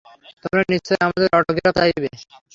তোমরা নিশ্চয়ই আমাদের অটোগ্রাফ চাইবে।